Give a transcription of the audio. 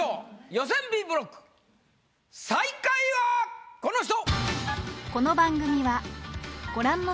予選Ｂブロック最下位はこの人。